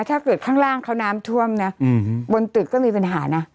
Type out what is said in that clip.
ข้างล่างเขาน้ำท่วมนะบนตึกก็มีปัญหานะ